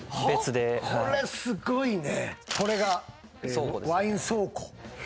これすごいね。